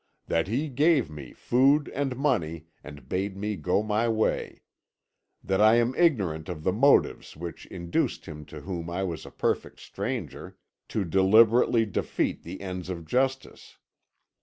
"That he gave me food and money, and bade me go my way. "That I am ignorant of the motives which induced him to whom I was a perfect stranger, to deliberately defeat the ends of justice.